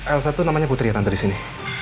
elsa tuh namanya putri ya tante di sini